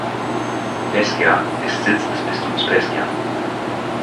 Pescia ist Sitz des Bistums Pescia.